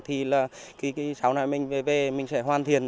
thì là sau này mình về mình sẽ hoàn thiện